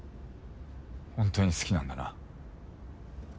ほんとに好きなんだな。